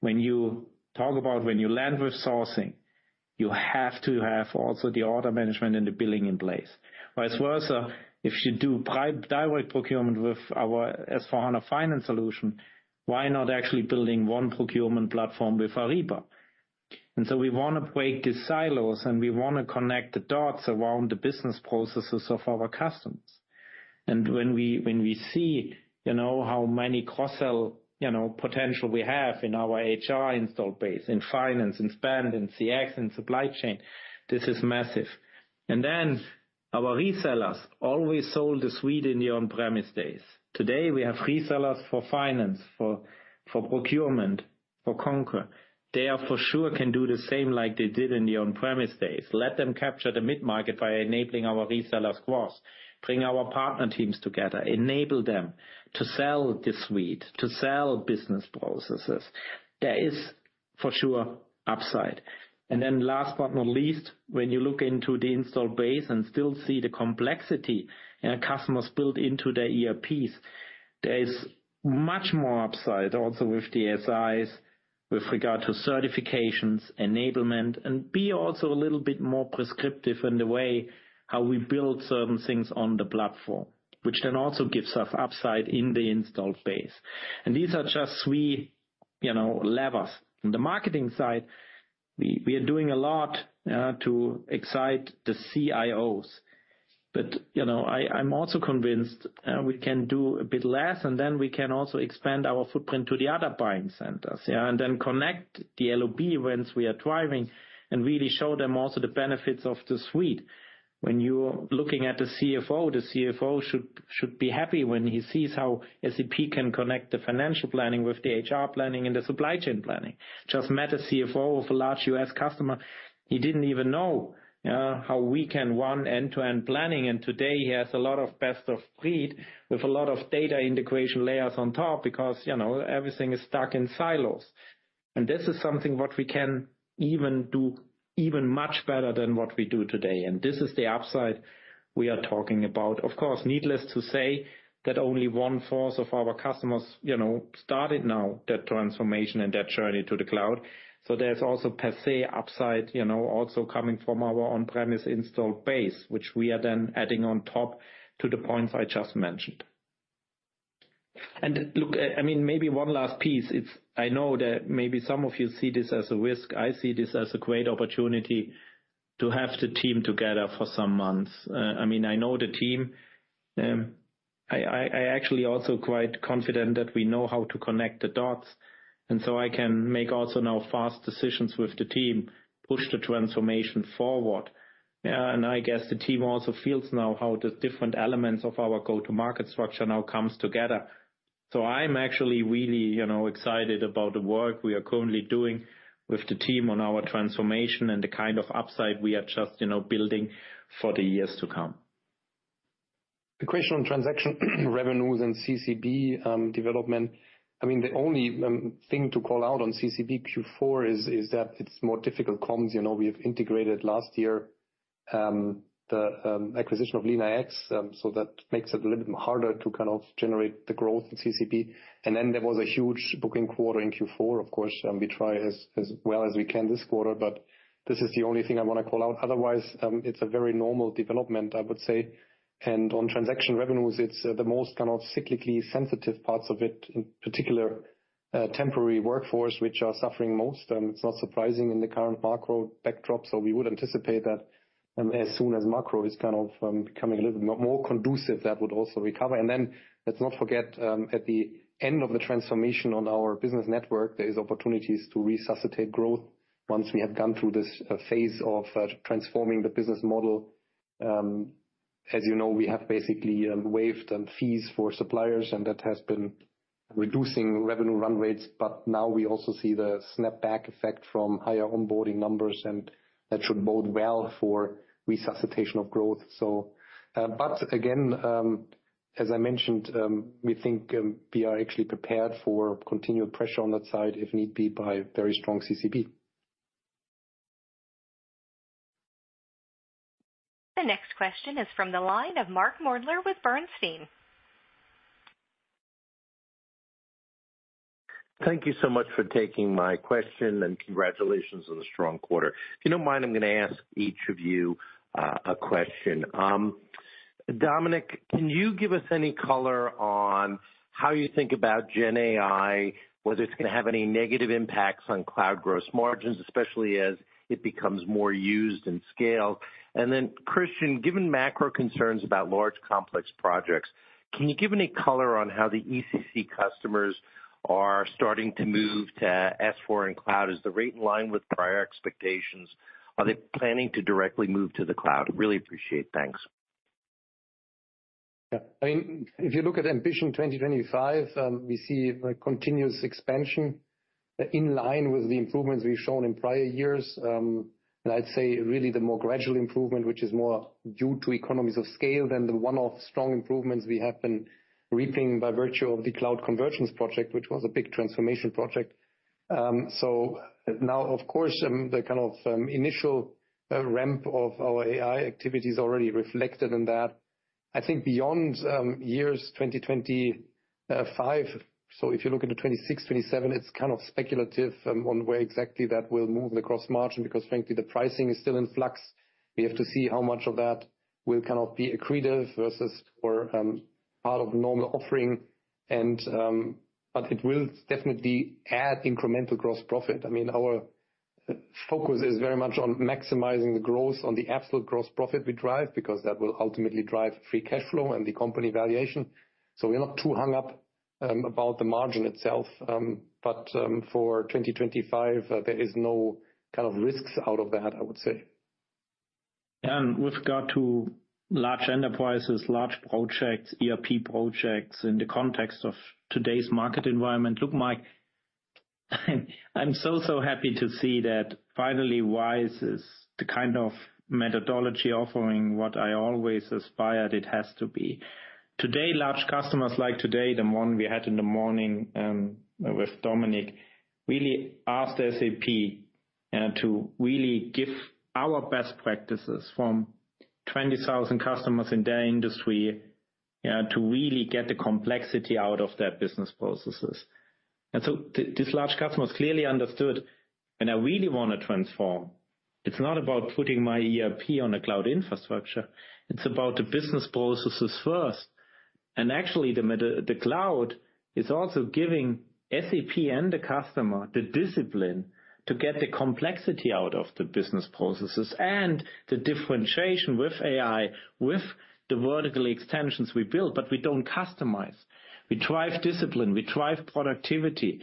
When you talk about when you land with sourcing, you have to have also the order management and the billing in place. Vice versa, if you do direct procurement with our S/4HANA Finance solution, why not actually building one procurement platform with Ariba? And so we want to break these silos, and we want to connect the dots around the business processes of our customers. And when we see, you know, how many cross-sell, you know, potential we have in our HR install base, in finance, in spend, in CX, in supply chain, this is massive. And then our resellers always sold the suite in the on-premise days. Today, we have resellers for finance, for procurement, for Concur. They are for sure can do the same like they did in the on-premise days. Let them capture the mid-market by enabling our resellers cross, bring our partner teams together, enable them to sell this suite, to sell business processes. There is, for sure, upside. And then last but not least, when you look into the install base and still see the complexity, and customers built into their ERPs, there is much more upside also with the SIs, with regard to certifications, enablement, and be also a little bit more prescriptive in the way how we build certain things on the platform, which then also gives us upside in the installed base. And these are just three, you know, levers. In the marketing side, we are doing a lot to excite the CIOs. But you know, I'm also convinced we can do a bit less, and then we can also expand our footprint to the other buying centers, yeah, and then connect the LOB whence we are driving, and really show them also the benefits of the suite. When you're looking at the CFO, the CFO should be happy when he sees how SAP can connect the financial planning with the HR planning and the supply chain planning. Just met a CFO of a large U.S. customer, he didn't even know how we can run end-to-end planning, and today he has a lot of best of breed with a lot of data integration layers on top because, you know, everything is stuck in silos. And this is something what we can even do much better than what we do today, and this is the upside we are talking about. Of course, needless to say, that only one-fourth of our customers, you know, started now that transformation and that journey to the cloud. So there's also per se upside, you know, also coming from our on-premise installed base, which we are then adding on top to the points I just mentioned. And look, I mean, maybe one last piece. It's. I know that maybe some of you see this as a risk. I see this as a great opportunity to have the team together for some months. I mean, I know the team. I actually also quite confident that we know how to connect the dots, and so I can make also now fast decisions with the team, push the transformation forward, and I guess the team also feels now how the different elements of our go-to-market structure now comes together, so I'm actually really, you know, excited about the work we are currently doing with the team on our transformation and the kind of upside we are just, you know, building for the years to come. The question on transaction revenues and CCB development, I mean, the only thing to call out on CCB Q4 is that it's more difficult comps. You know, we have integrated last year the acquisition of LeanIX, so that makes it a little bit harder to kind of generate the growth in CCB. And then there was a huge booking quarter in Q4. Of course, we try as well as we can this quarter, but this is the only thing I want to call out. Otherwise, it's a very normal development, I would say. And on transaction revenues, it's the most kind of cyclically sensitive parts of it, in particular, temporary workforce, which are suffering most. It's not surprising in the current macro backdrop, so we would anticipate that, as soon as macro is kind of becoming a little bit more conducive, that would also recover, and then let's not forget, at the end of the transformation on our Business Network, there is opportunities to resuscitate growth once we have gone through this phase of transforming the business model. As you know, we have basically waived fees for suppliers, and that has been reducing revenue run rates, but now we also see the snapback effect from higher onboarding numbers, and that should bode well for resuscitation of growth. So, but again, as I mentioned, we think we are actually prepared for continued pressure on that side, if need be, by very strong CCB. The next question is from the line of Mark Moerdler with Bernstein. Thank you so much for taking my question, and congratulations on the strong quarter. If you don't mind, I'm gonna ask each of you, a question. Dominik, can you give us any color on how you think about GenAI, whether it's going to have any negative impacts on cloud gross margins, especially as it becomes more used and scaled? And then, Christian, given macro concerns about large complex projects, can you give any color on how the ECC customers are starting to move to S/4 in cloud? Is the rate in line with prior expectations? Are they planning to directly move to the cloud? Really appreciate. Thanks. Yeah. I mean, if you look at Ambition 2025, we see a continuous expansion in line with the improvements we've shown in prior years. And I'd say really the more gradual improvement, which is more due to economies of scale than the one-off strong improvements we have been reaping by virtue of the cloud conversions project, which was a big transformation project. So now, of course, the kind of initial ramp of our AI activity is already reflected in that. I think beyond years 2025, so if you look into 2026, 2027, it's kind of speculative on where exactly that will move the gross margin, because frankly, the pricing is still in flux. We have to see how much of that will kind of be accretive or part of normal offering, but it will definitely add incremental gross profit. I mean, our focus is very much on maximizing the growth on the absolute gross profit we drive, because that will ultimately drive free cash flow and the company valuation. So we are not too hung up about the margin itself, but for 2025, there is no kind of risks out of that, I would say. And with regard to large enterprises, large projects, ERP projects, in the context of today's market environment, look, Mike, I'm so, so happy to see that finally RISE is the kind of methodology offering what I always aspired it has to be. Today, large customers like today, the one we had in the morning, with Dominik, really asked SAP to really give our best practices from 20,000 customers in their industry to really get the complexity out of their business processes. And so these large customers clearly understood, when I really want to transform, it's not about putting my ERP on a cloud infrastructure, it's about the business processes first. Actually, the cloud is also giving SAP and the customer the discipline to get the complexity out of the business processes and the differentiation with AI, with the vertical extensions we build, but we don't customize. We drive discipline, we drive productivity.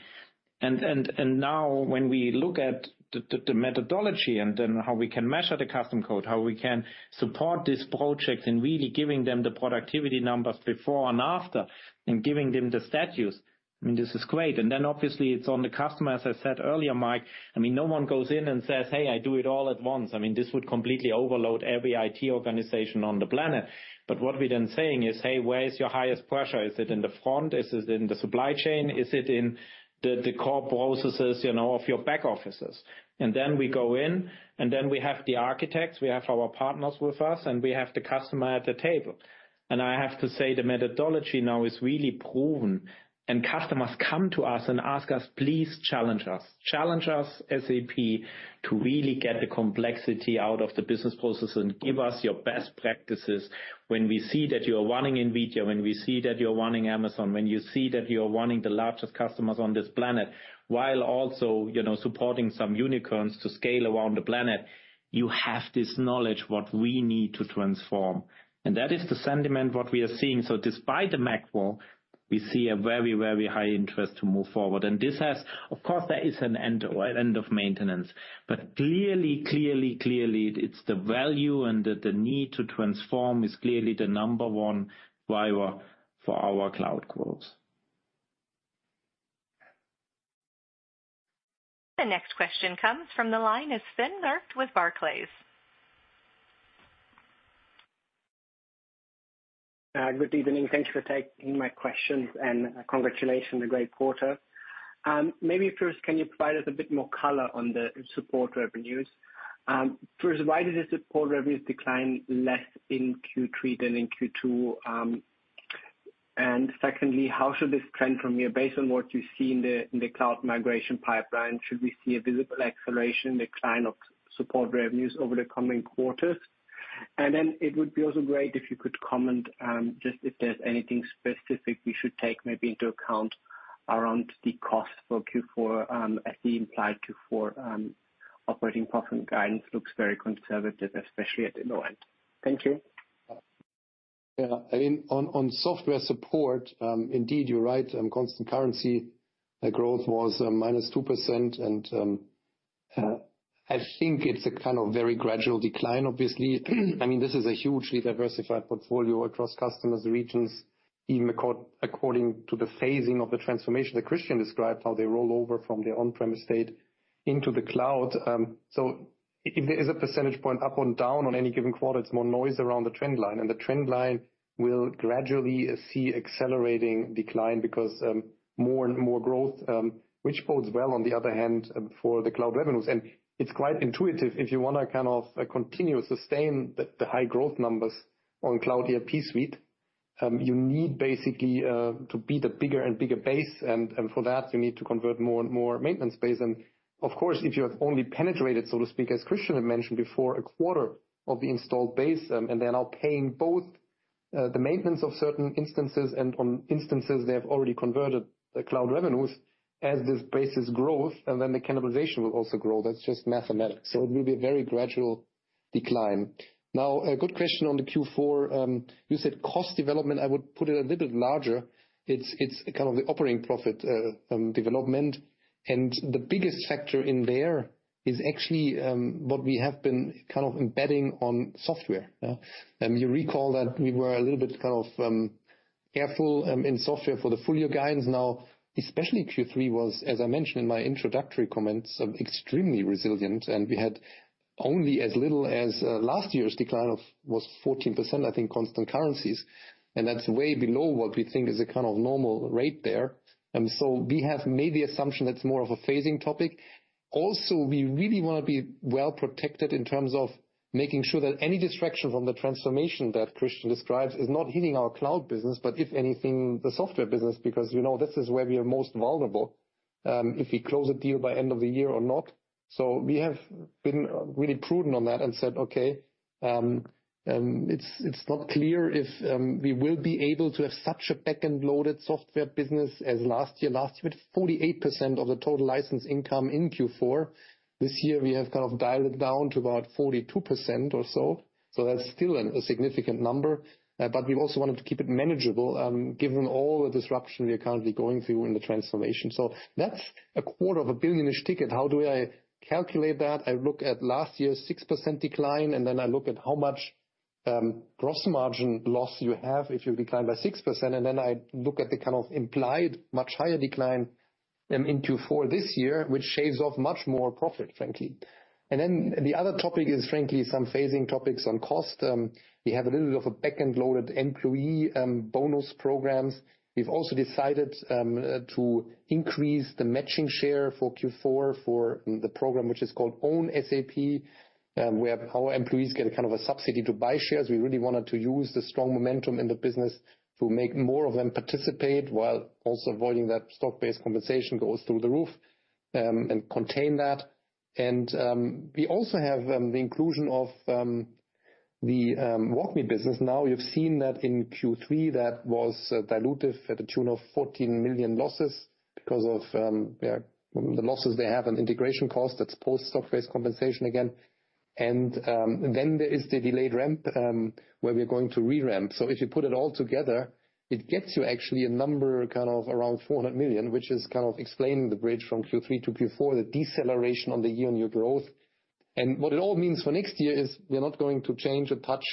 Now when we look at the methodology and then how we can measure the custom code, how we can support this project in really giving them the productivity numbers before and after, and giving them the status, I mean, this is great. Then obviously it's on the customer, as I said earlier, Mike. I mean, no one goes in and says, "Hey, I do it all at once." I mean, this would completely overload every IT organization on the planet. But what we're then saying is, "Hey, where is your highest pressure? Is it in the front? Is it in the supply chain? Is it in the core processes, you know, of your back offices?" And then we go in, and then we have the architects, we have our partners with us, and we have the customer at the table. And I have to say, the methodology now is really proven, and customers come to us and ask us, "Please challenge us. Challenge us, SAP, to really get the complexity out of the business process and give us your best practices. When we see that you are running in NVIDIA, when we see that you're running Amazon, when you see that you are running the largest customers on this planet, while also, you know, supporting some unicorns to scale around the planet, you have this knowledge what we need to transform." And that is the sentiment what we are seeing. So despite the macro, we see a very, very high interest to move forward, and this has, of course, there is an end, an end of maintenance. But clearly, clearly, clearly, it's the value and the, the need to transform is clearly the number one driver for our cloud growth. The next question comes from the line of Sven Merkt with Barclays. Good evening. Thank you for taking my questions, and congratulations on a great quarter. Maybe first, can you provide us a bit more color on the support revenues? First, why did the support revenues decline less in Q3 than in Q2? And secondly, how should this trend from here? Based on what you see in the cloud migration pipeline, should we see a visible acceleration in the decline of support revenues over the coming quarters? And then it would be also great if you could comment, just if there's anything specific we should take maybe into account around the cost for Q4, as we implied Q4 operating profit guidance looks very conservative, especially at the low end. Thank you. Yeah. I mean, on software support, indeed, you're right, constant currency, the growth was -2%, and I think it's a kind of very gradual decline, obviously. I mean, this is a hugely diversified portfolio across customers, regions, even according to the phasing of the transformation that Christian described, how they roll over from their on-premise state into the cloud. So if there is a percentage point up or down on any given quarter, it's more noise around the trend line, and the trend line will gradually see accelerating decline because more and more growth, which bodes well on the other hand for the cloud revenues. And it's quite intuitive. If you want to kind of continue to sustain the high growth numbers on Cloud ERP Suite, you need basically to beat a bigger and bigger base, and for that, you need to convert more and more maintenance base. And of course, if you have only penetrated, so to speak, as Christian had mentioned before, a quarter of the installed base, and they are now paying both the maintenance of certain instances and on instances they have already converted the cloud revenues, as this base is growth, and then the cannibalization will also grow. That's just mathematics. So it will be a very gradual decline. Now, a good question on the Q4. You said cost development. I would put it a little bit larger. It's kind of the operating profit development. And the biggest factor in there is actually what we have been kind of embedding on software. You recall that we were a little bit kind of careful in software for the full year guidance. Now, especially Q3 was, as I mentioned in my introductory comments, extremely resilient, and we had only as little as last year's decline of was 14%, I think, constant currencies. And that's way below what we think is a kind of normal rate there. And so we have made the assumption that's more of a phasing topic. Also, we really want to be well protected in terms of making sure that any distraction from the transformation that Christian describes is not hitting our cloud business, but if anything, the software business, because, you know, this is where we are most vulnerable, if we close a deal by end of the year or not. So we have been really prudent on that and said, "Okay, it's not clear if we will be able to have such a back-end loaded software business as last year." Last year, we had 48% of the total license income in Q4. This year, we have kind of dialed it down to about 42% or so. So that's still a significant number, but we also wanted to keep it manageable, given all the disruption we are currently going through in the transformation. So that's a quarter of a billion-ish ticket. How do I calculate that? I look at last year's 6% decline, and then I look at how much gross margin loss you have if you decline by 6%, and then I look at the kind of implied much higher decline Q4 this year, which shaves off much more profit, frankly. And then the other topic is frankly some phasing topics on cost. We have a little bit of a back-end-loaded employee bonus programs. We've also decided to increase the matching share for Q4 for the program, which is called Own SAP, where our employees get kind of a subsidy to buy shares. We really wanted to use the strong momentum in the business to make more of them participate, while also avoiding that stock-based compensation goes through the roof, and contain that. And we also have the inclusion of the WalkMe business. Now, you've seen that in Q3, that was dilutive to the tune of fourteen million losses because of yeah, the losses they have on integration costs. That's post-stock-based compensation again. And then there is the delayed ramp, where we're going to re-ramp. So if you put it all together, it gets you actually a number kind of around four hundred million, which is kind of explaining the bridge from Q3-Q4, the deceleration on the YoY growth. What it all means for next year is we are not going to change or touch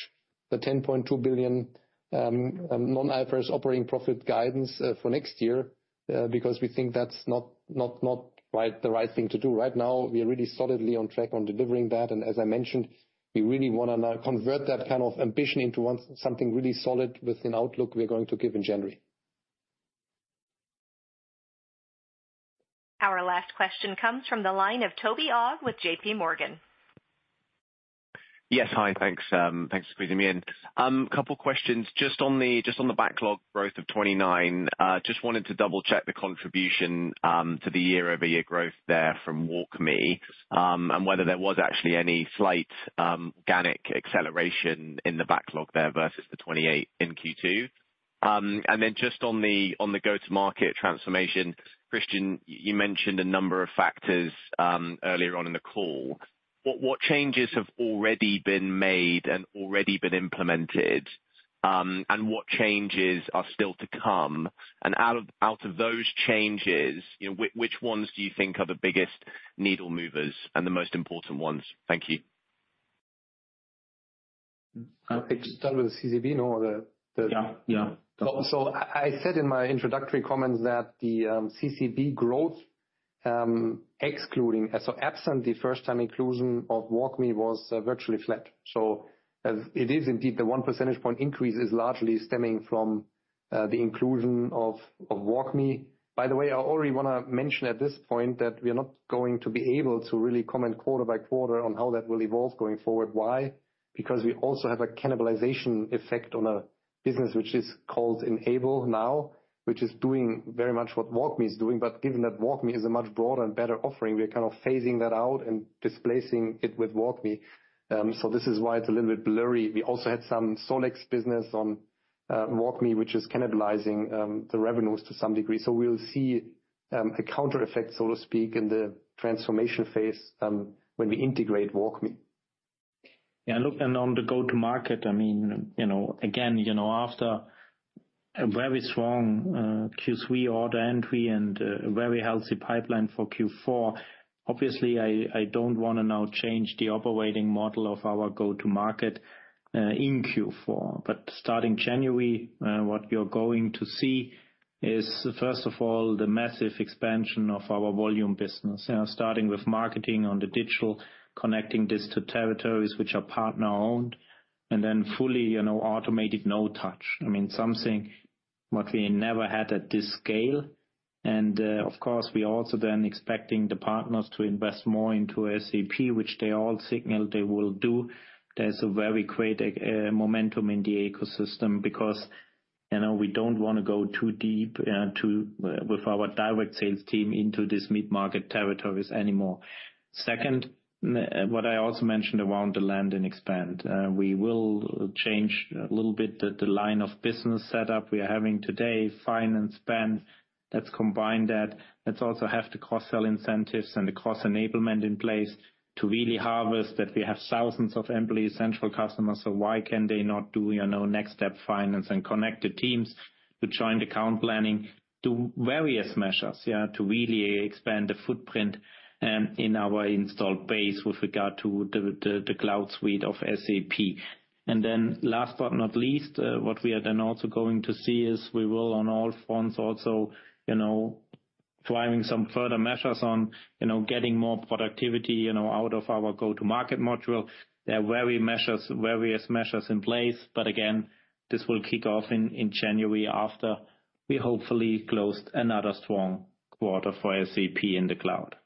the 10.2 billion non-IFRS operating profit guidance for next year, because we think that's not the right thing to do right now. We are really solidly on track on delivering that, and as I mentioned, we really wanna now convert that kind of ambition into something really solid with an outlook we are going to give in January. Our last question comes from the line of Toby Ogg with J.P. Morgan. Yes. Hi, thanks, thanks for squeezing me in. Couple questions. Just on the, just on the backlog growth of 29%, just wanted to double check the contribution to the year-over-year growth there from WalkMe, and whether there was actually any slight organic acceleration in the backlog there versus the 28% in Q2? And then just on the, on the go-to-market transformation, Christian, you mentioned a number of factors earlier on in the call. What, what changes have already been made and already been implemented, and what changes are still to come? And out of, out of those changes, you know, which, which ones do you think are the biggest needle movers and the most important ones? Thank you. I'll start with CCB. Yeah, yeah. So I said in my introductory comments that the CCB growth, excluding... So absent the first time inclusion of WalkMe, was virtually flat. So, it is indeed the one percentage point increase is largely stemming from the inclusion of WalkMe. By the way, I already wanna mention at this point that we are not going to be able to really comment quarter by quarter on how that will evolve going forward. Why? Because we also have a cannibalization effect on a business which is called Enable Now, which is doing very much what WalkMe is doing. But given that WalkMe is a much broader and better offering, we are kind of phasing that out and displacing it with WalkMe. So this is why it's a little bit blurry. We also had some SolEx business on WalkMe, which is cannibalizing the revenues to some degree. So we'll see a counter effect, so to speak, in the transformation phase, when we integrate WalkMe. Yeah, look, and on the go-to-market, I mean, you know, again, you know, after a very strong Q3 order entry and a very healthy pipeline for Q4, obviously, I, I don't wanna now change the operating model of our go-to-market in Q4. But starting January, what you're going to see is, first of all, the massive expansion of our volume business. Starting with marketing on the digital, connecting this to territories which are partner owned, and then fully, you know, automated no touch. I mean, something what we never had at this scale. And, of course, we are also then expecting the partners to invest more into SAP, which they all signaled they will do. There's a very great momentum in the ecosystem because, you know, we don't want to go too deep with our direct sales team into this mid-market territories anymore. Second, what I also mentioned around the land and expand, we will change a little bit the line of business set up we are having today, finance, spend, let's combine that. Let's also have the cross-sell incentives and the cross-enablement in place to really harvest that we have thousands of employees, central customers, so why can they not do, you know, next step finance and connect the teams to join the account planning? Do various measures, yeah, to really expand the footprint in our installed base with regard to the Cloud Suite of SAP. Then last but not least, what we are then also going to see is we will on all fronts also, you know, driving some further measures on, you know, getting more productivity, you know, out of our go-to-market module. There are various measures in place, but again, this will kick off in January, after we hopefully closed another strong quarter for SAP in the cloud.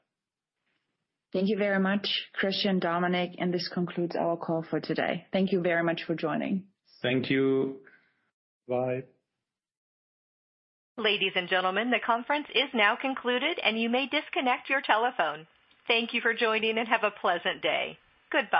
Thank you very much, Christian, Dominik, and this concludes our call for today. Thank you very much for joining. Thank you. Bye. Ladies and gentlemen, the conference is now concluded, and you may disconnect your telephone. Thank you for joining and have a pleasant day. Goodbye.